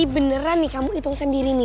beneran nih kamu hitung sendiri nih